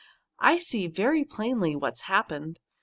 I see very plainly what's happened.